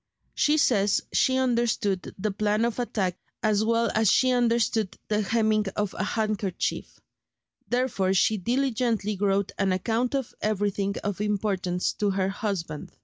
She says she understood the plan of attack as well as she understood the hemming of a handkerchief; therefore she diligently wrote an account of everything of importance to her husband.